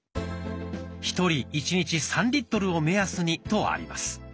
「１人１日３リットルを目安に」とあります。